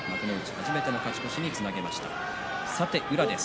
初めての勝ち越しにつなげました水戸龍です。